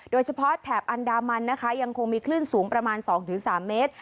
แถบอันดามันนะคะยังคงมีคลื่นสูงประมาณ๒๓เมตร